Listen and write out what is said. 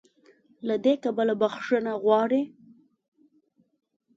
له دې کبله "بخښنه غواړي"